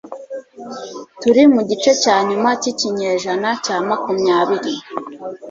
turi mu gice cya nyuma cyikinyejana cya makumyabiri